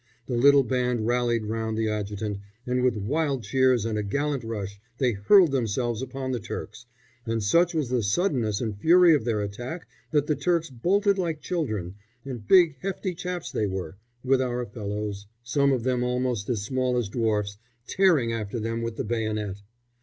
The little band rallied round the adjutant, and with wild cheers and a gallant rush they hurled themselves upon the Turks, and such was the suddenness and fury of their attack that the Turks bolted like children and big hefty chaps they were with our fellows, some of them almost as small as dwarfs, tearing after them with the bayonet.